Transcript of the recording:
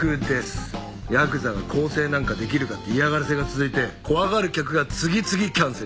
ヤクザが更生なんかできるかって嫌がらせが続いて怖がる客が次々キャンセル。